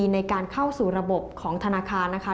ในการเข้าสู่ระบบของธนาคารนะคะ